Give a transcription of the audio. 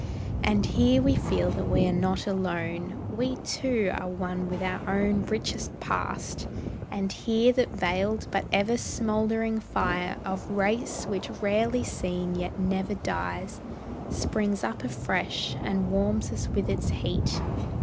And here we feel that we are not alone, We too are one with our own richest past; And here that veiled, but ever smouldering fire Of race, which rarely seen yet never dies, Springs up afresh and warms us with its heat.